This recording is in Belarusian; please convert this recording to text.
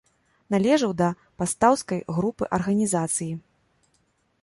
Належаў да пастаўскай групы арганізацыі.